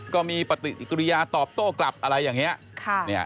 ก็มีปฏิกิริยาตอบโต้กลับอะไรอย่างนี้